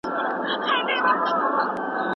یو ځوان د ډېرې اندازې خوړلو وروسته وینه ټیټه شوه.